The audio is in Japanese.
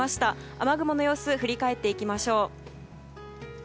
雨雲の様子振り返っていきましょう。